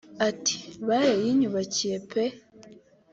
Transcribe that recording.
Ati “Barayinyubakiye pe